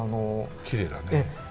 きれいだね。